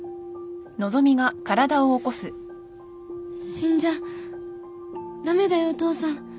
死んじゃ駄目だよお父さん